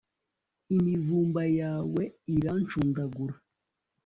imivumba yawe irancundagura